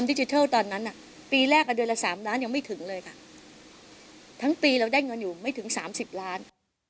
ทั้งปีเราได้เงินอยู่ไม่ถึง๓๐ล้าน